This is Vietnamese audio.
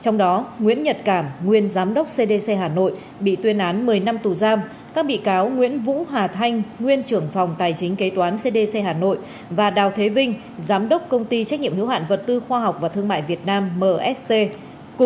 nguyễn thị kim dung nguyên trưởng phòng tổ chức hành chính cdc hà nội nhận sáu năm tù